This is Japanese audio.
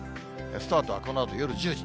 スタートはこのあと夜１０時。